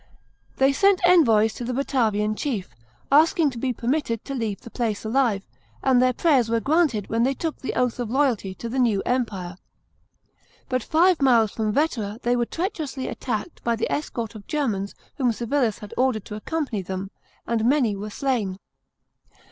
They sent envoys to the Batavian chief, asking to be permitted to leave the place alive, and their prayers were granted when they took the oath of loyalty to the new empire. But five miles from Vetera they were treacherously attacked by the escort of Germans whom Civilis had ordered to accompany them, and many were slain.